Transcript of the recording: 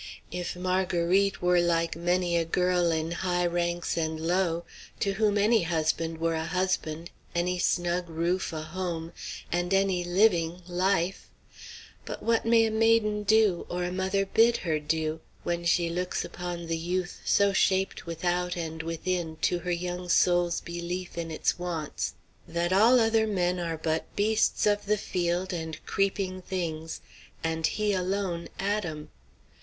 If Marguerite were like many a girl in high ranks and low, to whom any husband were a husband, any snug roof a home, and any living life But what may a maiden do, or a mother bid her do, when she looks upon the youth so shaped without and within to her young soul's belief in its wants, that all other men are but beasts of the field and creeping things, and he alone Adam?